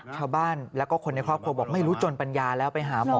ชาวบ้านแล้วก็คนในครอบครัวบอกไม่รู้จนปัญญาแล้วไปหาหมอ